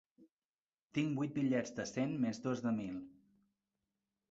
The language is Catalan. Tinc vuit bitllets de cent més dos de mil.